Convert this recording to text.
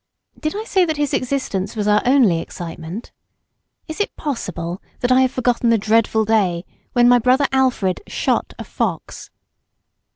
Did I say that his existence was our only excitement. Is it possible that I have forgotten the dreadful day when my brother Alfred shot a fox?